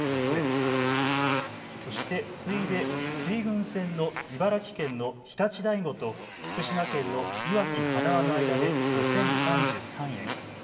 そして次いで水郡線の茨城県の常陸大子と福島県の磐城塙の間で５０３３円。